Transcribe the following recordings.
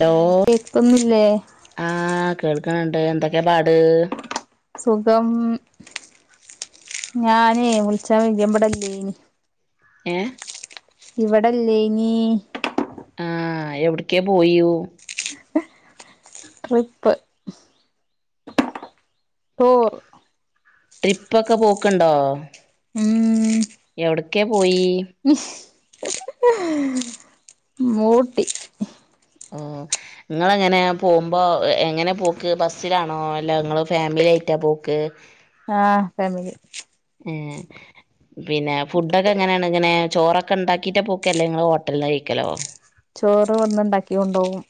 Hello കേക്കുന്നില്ലേ ണ്ട് എന്തൊക്കെ പാട് സുഖം ഞാന് വിളിച്ചാ ഇവടെ ഇലെ നി ഏ ഇവിടെല്ലേ ഇനി അ എവിടക്കേ പോയു റിപ്പ് റ്റൂർ ട്രിപ്പ ഒക്കെ പോക്ക്ണ്ടോ എവിടക്കെ പോയി ഇസ് മൂട്ടി ഓ നിങ്ങളങ്ങനെ പോകുമ്പോ എങ്ങനെ പോക്ക് ബസ്സിലാണോ അല്ല നിങ്ങ ഫാമിലിയിട്ട് റ്റ പോക്ക് ആഹ ഫമിലി ഹെ പിന്നെ ഫുഡൊക്കെ എങ്ങനെയാണ് ഇങ്ങനെ ചോറൊക്കെ ഉണ്ടാക്കിട്ട പൂക്കല്ലേ നിങ്ങള് ഹോട്ടലിൽ കഴിക്കലോ ചോറ് വന്നുണ്ടാക്കി കൊണ്ടുപോകും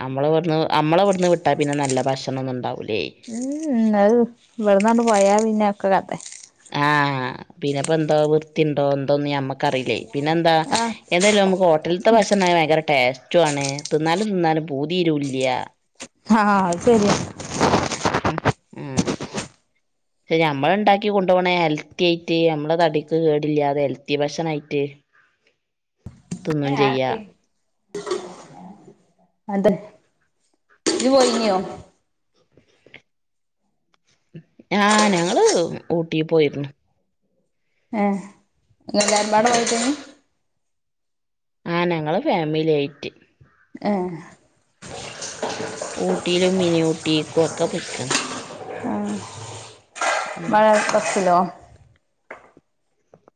ആ നമ്മള ഇവിന്ന് നമ്മള ഇവിടുന്ന് വിട്ടാൽ പിന്നെ നല്ല ഭക്ഷണംന്നും ഉണ്ടാ ഉം അത് ഇവിടെന്നാണ്ട് പോയാ പിന്നെ ഒക്കെ കതെ ആഹ് പിന്നെപ്പോ എന്തോ വൃത്തിയണ്ടോ എന്തോന്ന് മ്മക്ക് കറില്ലേ പിന്നെന്താ. ആഹ് എതായാലും നമുക്ക് ഹോട്ടൽത്തെ ഭക്ഷണയാ ഭയങ്കര ടേസ് റ്റാണ് തിന്നാലും തിന്നാലും പൂതീരുല്ല ആഹ് ശരിയ ഉം ശരി നമ്മള ഉണ്ടാക്കി കൊണ്ടുപോണേ ഹെൽത്തി ആയിട്ട് നമ്മളെ തടിക്ക് കേടില്ലാതെ ഹെൽത്തി ഭക്ഷണായിട്ട് തിന്നും ചെയ്യാ അതെ ഇജ്ജ് പോയിനിയോ ആഹ് ഞങ്ങള് ഊട്ടി പോയിരുന്നു ഏഹ് ങ്ങഎല്ലരമ്പാട പോയിതേനി ആഹ് ഞങ്ങള് ഫാമിലിയായിട്ട് ഏഹ് ഊട്ടിയിലും മിനി ഊട്ടിക്കും ഒക്കെ പോയിക്കണ് ഉം മഴ [unintelligible]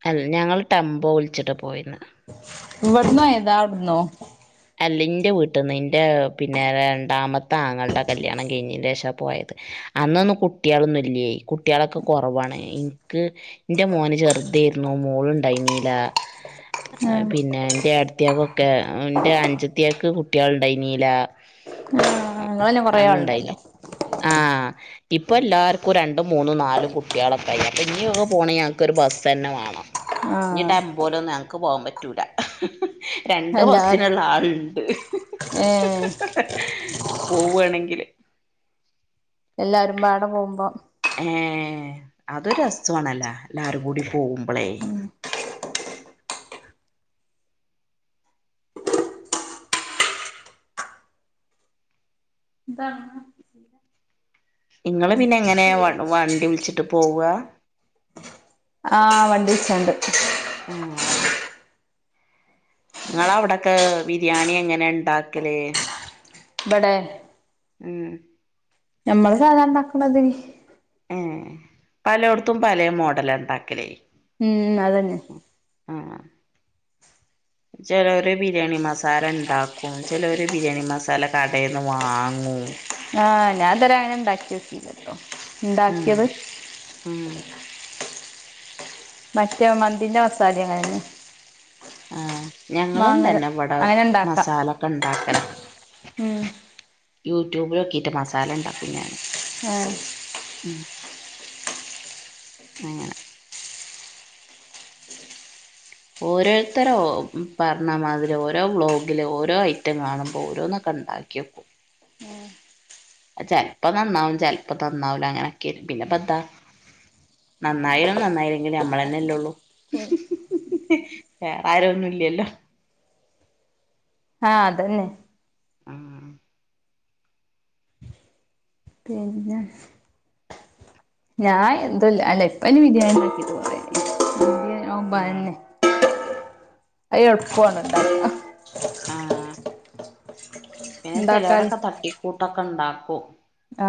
അല്ല ഞങ്ങൾ ടെമ്പോ വിളിച്ചിട്ട് പോയിന്നെ ഇവിടന്നോയതാ ഔട്ന്നോ അല്ല എൻ്റെ വീട്ടിൽ നിന്ന് എൻ്റെ പിന്നെ രണ്ടാമത്തെ ആങ്ങളുടെ കല്ല്യാണം കഴഞ്ഞി ശേഷാ പോയത് അന്നൊന്നും കുട്ടികളൊന്നും ഇല്ലായി കുട്ടികളൊക്കെ കുറവാണ് ൻക്ക് എന്റെ മോന് ചെറുതായിരുന്നു മോള് ണ്ടായിരുന്നില്ല ആഹ് പിന്നെ എന്റെ ഏട്ടത്തിയെക്ക് ഒക്കെ അഞ്ചത്തിക്ക് കുട്ടികൾ ഉണ്ടായിനീല ആഹ് ഇങ്ങളന്നെ കൊറേ അന്നുണ്ടായിന് ആളുണ്ടല്ലോ ആഹ് ഇപ്പോ ല്ലാവർക്കും രണ്ടും മൂന്നും നാലും കുട്ടികളൊക്കെ ആയിന് അപ്പ ഇനിയ ഒക്കെ പോകണ ഞങ്ങൾക്കൊരു ബസ് തന്നെ വേണം ഇനി ആഹ് ടെമ്പോലൊന്നും ഞങ്ങക്ക് പോവാൻ പറ്റൂല രണ്ട് എല്ലാ ബസ് സ്സിനുള്ള ആളുണ്ട് ഏഹ് പോവാണെങ്കില് എല്ലാരും പാട പോകുമ്പോ ഏഹ് അതൊരു രസ്വാണല്ലോ എല്ലാരും കൂടി പോകുമ്പളേ ഇതാണോ. ഇങ്ങള് പിന്നെ എങ്ങനെയാ വ വണ്ടി വിളിച്ചിട്ട് പോവാ? ആഹ് വണ്ടിവിച്ചാണ്ട്. ആഹ്. ഇങ്ങള് അവിടൊക്കെ ബിരിയാണി എങ്ങനെ ഇണ്ടാക്കല്? ഇവിടെ നമ്മള് സാധാ ഇണ്ടാക്കണമാതിരി. ഏ പലയൊടത്തും പലയേ മോഡല ഉണ്ടാക്കലേ. ഉം അതന്നെ. ആഹ്. ചിലവര് ഒരു ബിരിയാണി മസാല ഉണ്ടാക്കും ചിലവര് ബിരിയാണി മസാല കടേന്ന് വാങ്ങു ആഹ് ഞാൻ ഇതരെ അങ്ങനെ ഇണ്ടാക്കിയോക്കീല ല്ലോ. ഉം ഇണ്ടാക്കിയത് ഉം മറ്റേ മന്തിൻന്റെ മസാലയാണ്. ആഹ്. ഞങ്ങളും തന്നെ ഇവിടെ അങ്ങനെ ഉണ്ടാക്കാ മസാലൊക്ക ഉണ്ടാക്കല. ഉം യൂട്യൂബിലോക്കിയിട്ട് മസാല ഉണ്ടാക്കും ഞാന് ആഹ്. ഉം അങ്ങനെ ഓരോരുത്തരോ പറഞ്ഞമാതിരി ഓരോ വ്ലോഗില് ഓരോ ഐറ്റം കാണുമ്പോൾ ഓരോന്നക്ക ണ്ടാക്കിയോക്കും. ചെലപ്പോ നന്നാവും ചെലപ്പോ തന്നാവൂല അങ്ങനൊക്കെയാണ് പിന്നെ പത്ത നന്നായിലും നന്നായില്ലെങ്കിലും നമ്മളന്നല്ലേ ഉള്ളൂ. വേറെ ആരൊന്നുല്ലല്ലോ ആ അതെന്നെ ആ പിന്നെ ഞാൻ എന്തുവല്ല അല്ല ഇപ്പൊ എനി ഉം [inaudible] [unintelligible] ആ പിന്നെ ഉണ്ടാക്കാല് ചെലവരൊക്കെ തട്ടിക്കൂട്ടൊക്കെണ്ടാക്കും ആ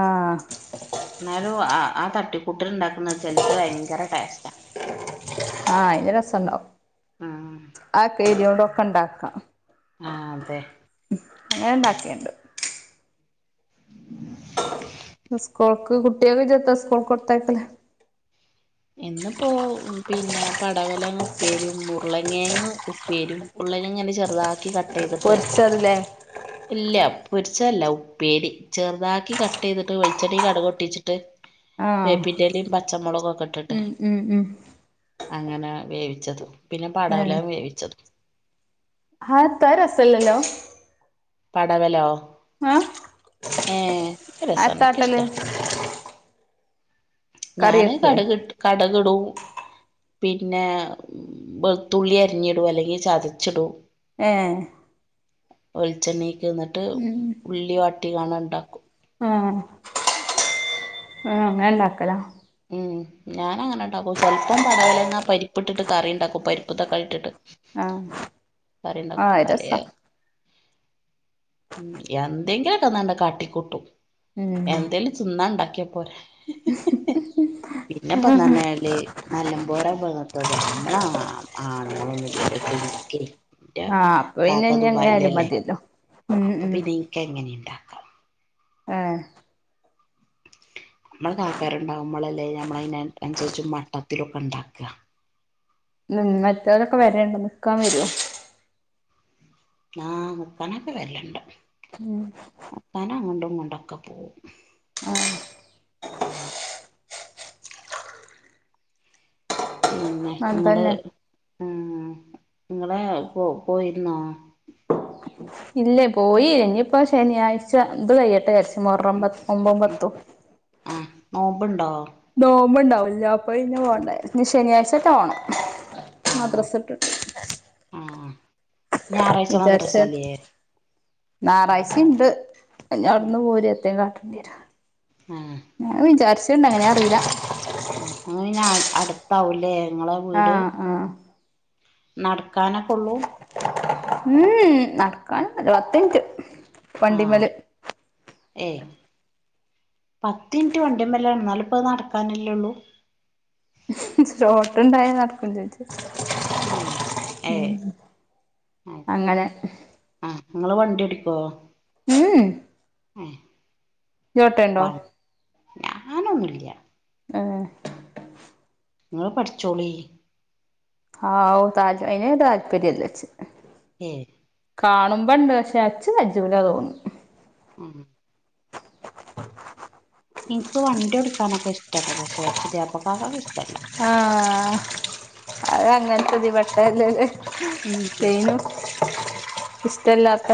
ആ ആ തട്ടിക്കൂട്ടല്ണ്ടാക്ക്ണത് ചെലത് ഭയങ്കര ടേസ്റ്റാ ആ അയിന് രസണ്ടാവും ഉം ആ കേര്യോടൊക്കെണ്ടാക്കാ ആ അതെ ഉം അങ്ങനെ ണ്ടാക്കല്ണ്ട് സ്കൂൾക്ക് കുട്ട്യാക്ക് ഇജ് എത്താ സ്കൂൾക്കൊടുത്തയക്കല് ഇന്നിപ്പോ പിന്നെ പടവലങ്ങ ഉപ്പേരിയും ഉരുളങ്ങിഴങ് ഉപ്പേരിം ഉൾ [unintelligible] ങ്ങനെ ചെറുതാക്കി കട്ട് ചെയ്തിട്ട് പൊരിച്ചതില്ലേ ഇല്ല പൊരിച്ചതല്ല ഉപ്പേരി ചെറുതാക്കി കട്ട് ചെയ്തിട്ട് വെളിച്ചെണ്ണയി കടുകൊട്ടിച്ചിട്ട് ആഹ് വേപ്പിന്റെലയും പച്ചമൊളകൊക്കെ ഇട്ട് ഉം ഉം ഉം അങ്ങനെ വേവിച്ചത് പിന്നെ പടവലം വേവിച്ചത് അതെ ത്താ അത് രസല്ലല്ലോ പടവലോ ആ ഏ അ രസാണ് ത്താട്ടല് എനിക്കിഷ്ടാ ഞാന് കട്ക്ട്ട് കട്ക് ഇടും പിന്നെ വെളുത്തുള്ളി അരിഞ്ഞിടും അല്ലെങ്കിൽ ചതച്ചിടും ഏ വെൾച്ചെണ്ണീക്ക് ന്നിട്ട് ഉള്ളി വാട്ടി ങ്ങാണ്ട് ണ്ടാക്കും അ ആ അങ്ങനെ ണ്ടാക്കല ഉം ഞാൻ അങ്ങനെ ഇണ്ടാക്കും ചെലപ്പം പടവലങ്ങ പരിപ്പ്ട്ട്ട്ട് കറി ണ്ടാക്കും പരിപ്പ് തക്കാളിട്ടിട്ട് [inaudible] കറിണ്ടാക്കും ആഹ് അത് പലേ രസാ ഉം എന്തെങ്കിലൊക്കെന്നണ്ട് കാട്ടിക്കൂട്ടും ഉം ന്ന ണ്ടാക്കിയപ്പോരെ പിന്നെപ്പെന്ന പറഞാല് നല്ലമ്പോലെ [unintelligible] ഇവടെ ആണുങ്ങളൊന്നുംല്ലല്ലോ ഇപ്പ ഇന്ക്ക് റ്റ ആഹ് അപ്പൊ പിന്നെ കാക്ക ഇനി എങ്ങനെ ആയാലും ദുബായിലല്ലേ മതിയല്ലോ ഉം അപ്പൊ പിന്നെ ഇന്ക്ക് എങ്ങനെണ്ടാക്കാ ആ നമ്മള കാക്കാരുണ്ടാവുമ്പളല്ലേ നമ്മള് അയ്നനുസരിച്ച് മട്ടത്തിലൊക്കെ ണ്ടാക്ക ഉം മറ്റവരൊക്കെ വരേണ്ടോ നിക്കാൻ വേരോ നാ നിക്കാനൊക്കെ വര്ല്ണ്ട് നിക്കാന് അങ്ങൊട്ടു ഇങ്ങോണ്ടൊക്കെ പോവും പിന്നെ ങ്ങള് അതന്നെ ആ നിങ്ങളെ പോ പോയിരുന്നോ ഇല്ല പോയി ഇനിപ്പോ ശനിയാഴ്ച ഇത് കയ്യട്ടെ ചാരിച്ച് മുഹറമ്പ ഒമ്പൊമ്പത്തും ആഹ് നോമ്പുണ്ടോ നോമ്പ്ണ്ടാവല്ലോ അപ്പോ പിന്നെ പോണ്ടേ ഞ്ഞി ശനിയാഴ്ചേറ്റം പോണം ആഹ് മദ്രസട്ടുണ്ട് ആഹ് ഞായറാഴ്ച വിചാരിച്ച മദ്രസില്ലേ ഞായറാഴ്ചുണ്ട് ഉം അവിടുന്ന് പോര് എത്രേയും കാട്ടേണ്ടി വര ആഹ് ഞൻ വിചാരിച്ചിന്ന് അങ്ങനെ അറിയില ആ അന്നെ അടുത്താവല്ലേ ആഹ ആഹ നടക്കാനൊക്കെ ഉള്ളൂ ഉം നടക്കാൻ ഒന്നൂല്ല പത്ത്മിനിറ്റ് ആഹ ഏയ് പത്തിന്റ വണ്ടിമ്മല്ലാണ് എന്നാല്പ്പ നടക്കാനല്ലേള്ളൂ റോട്ടുണ്ടായ നടക്ക ചോദിച്ച ഉം ഉ ഏയ് അങ്ങനെ നിങ്ങള് വണ്ടി എടുക്കോ ഉം ആഹ ചോട്ടണ്ടോ ഞാനൊന്നുംല്ല്യ ആഹ നിങ്ങള് പഠിച്ചോളിൻ ആഹ് ഓ തജ അന താല്പര്യല്ലച്ച ഏയ് കാണുമ്പോണ്ട് പക്ഷെ അച്ച് അജജമല തോന്നും ആഹ [unintelligible] ഇഷ്ടംണ്ട് പക്ഷേ പുതിയപ്പ ആകാൻ ഇസ്ടംല്ല ആഹ അത് അങ്ങനത്തതി പട്ടല്ല ഉം ചെയ്നു ഇഷ്ടമല്ലാത്ത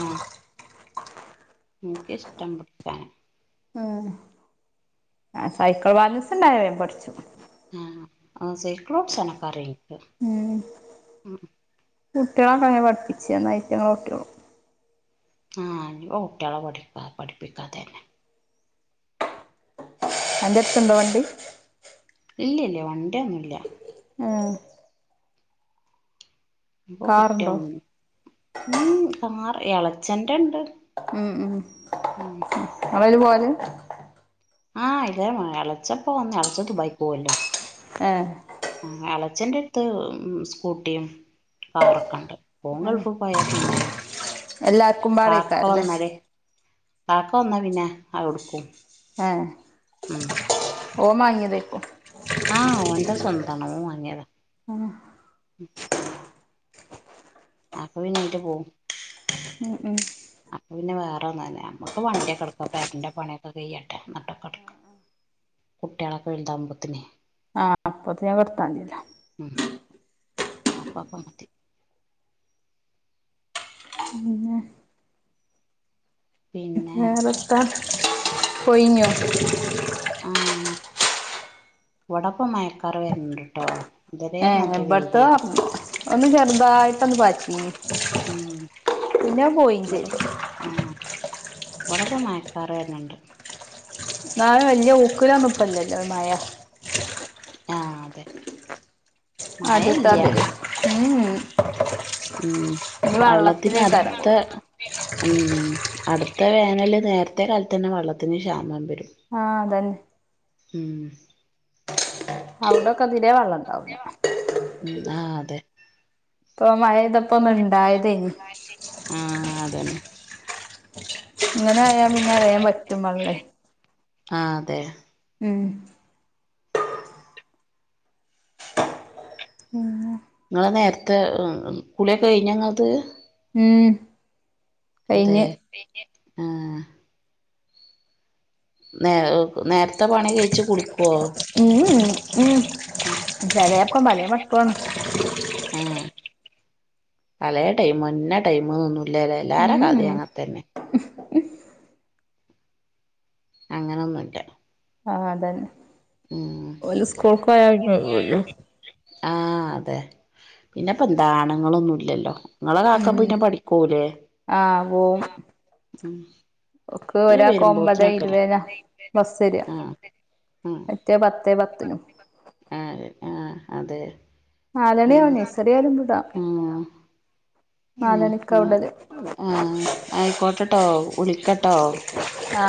ആഹ എനക്കിഷ്ടം പിടിക്കാന് ആ സൈക്കിൾ ബാലൻസ് ഉണ്ടായവൻ പഠിച്ചത് ആഹ സേക്ലോഡ് ഓടിചനക്കാറക്ക് ഉ കുട്ടികളെക്കെങ്ങെ പഠിപ്പിച്ചന്നായിട്ട് ഞങ്ങ ഒട്ടോളും ആഹ ഇ കുട്ടികളെ പഠിപ്പാ പഠിപ്പിക്കാതെന്നെ എൻടുത്തുണ്ടവണ്ടി ഇല്ല ഇല്ല വണ്ടി ഒന്നുമല്ല ആഹ അപ്പൊ കുട്ടിയ കാറുണ്ടോ ഉ കാർ ഇളച്ചന്റെ ഉണ്ട് ഉ ഉ അവല് പോവാല് ആ ഇതേ ഇളച്ചപ്പോ വന്ന് ഇളച്ച ദുബായ് പോവല്ലോ ഏഹ് ആ ഇളച്ചന്റെ ഇത്ത് സ്കൂട്ടിയും കാറൊക്കെ ഉണ്ട് മോൻ ഏഹ് ഗൾഫ് പോയാൽ പിന്നെ എല്ലാർക്കും പാക്ക പാടേക്കാരല്ലേ വന്നാലേ പാക്ക വന്നാ പിന്നെ ആ എടുക്കും ആഹ ആഹ ഓ മായിയ വക്കോ ആഹ് ഓന്റെ സ്വന്താണ് അവൻവാങ്ങിയതാ അപ്പൊ പിനായിട്ട് പോവും ഉം ഉം അപ്പ പിന്നെ വേറെന്ന തന്നെ നമ്മുക്ക് വണ്ടിയൊക്കെ എടുക്ക പേരന്റെ പണിയൊക്കെ കഴ്യട്ടെ എന്നിട്ടൊക്കെ എടുക്കാം കുട്ടികളൊക്കെ വലുതാകുമ്പത്തിന് ആഹ അപ്പൊത് ഞാൻ വർത്താന്ല്ല അപ്പാ അപ്പ മറ്റി പിന്നന്നെ പിന്നെ വേറെത്താ പോയിനോ ആ ഇവടപ്പം മഴ ക്കാർ വരണ്ട്ട്ടോ ഇതരെ ഏ നല്ല ഇബട്ത്തെ വെയിലേര്ന്ന് ഒന്ന് ചെറ്തായിട്ടൊന്ന് പാറ്റിനി ഉം പിന്നെ പോയി ചെയ്ത് ഇവട്പ്പം മഴക്കാറ് വര്ന്ന്ണ്ട് മഴ വെല്ല്യാ ഊക്കുലൊന്നുപ്പല്ലല്ലോ മഴ ആഹ് അതെ മഴ ഇല്ല ആദ്യത്താതിരി ഉം ഉം ഇനി വള്ളത്തിനേക്കാരം വള്ളത്തിന്ടുത്ത കൂടുതൽ ഉം അടുത്ത വേനല് നേരത്തെ കാലത്ത്ന്നെ വെള്ളത്തിന് ക്ഷാമം വരും ആഹ് അതന്നെ ഉം അവിടൊക്കെ തിരേ വെള്ള ഉം ആ അതെ ഇപ്പൊ മഴതപ്പൊ ഒന്ന് ഇണ്ടായതേനി തന്നെ ഇങ്ങനായാ പിന്നെ വേഗം വറ്റും വള്ളേ ആഹ് അതെ ഉം ഉം നിങ്ങളെ നേരത്തെ കുളിയൊക്കെ കഴിഞ്ഞൊങ്ങള്ത് ഉം അതെ കഴിഞ്ഞ് ആ നേ നേരത്തെ പണി കഴിച്ച് കുളിക്കൊ ഉം ഉം ഉം ചെലേപ്പം പലേമട്ടുവാണ് ആഹ് പലേ ടൈമാ ഇന്ന ടൈമ് ഒന്നുംല്ലല്ലെ എല്ലാര ഉം കഥി ഉം അങ്ങതന്നെ അങ്ങനൊന്നുല്ല ആ അതന്നെ ഉം ഓല് സ്കൂളക്കോയാ കഴിയൂലെ ആ അതെ പിന്നെപ്പെന്താ ആണുങ്ങളൊന്നും ഇല്ലല്ലോ നിങ്ങളെ കാക്ക പിന്നെ പണിക്കോവൂലേ ഓ ഉം ഒക്കെ പിന്നെ ഒരാക്ക് ഒമ്പത് വരുമ്പോത്തിനൊക്കെല്ലേ ഇരുപേന്ന ബസ്സെരാ ആഹ് മറ്റേ പത്തേ പത്തിനും ആ ആ അതെ ഉം നാലണിയാവു നഴ്സറി [unintelligible] ആ നാലണിക്കാ വിടല് ആ ആ അയിക്കോട്ടട്ടോ ആ